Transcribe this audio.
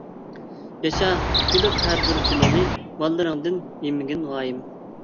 ياشا كۈلۈپ ھەربىر كۈنۈڭنى، باللىرىڭدىن يېمىگىن ۋايىم.